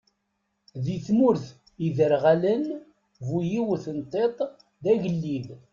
Di tmurt iderɣalen, bu-yiwet n tiṭ d agellid.